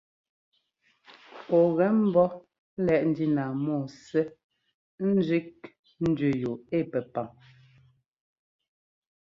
Ɔ ŋgɛ ḿbɔ́ lɛ́ꞌ ndína mɔ́ɔ Ssɛ́ ńzẅík ndẅí yu ɛ pɛpaŋ.